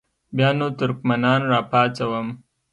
بیا نو ترکمنان را پاڅوم.